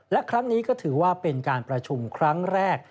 และครั้งนี้ก็ถือว่าเป็นการประชุมครั้งแรก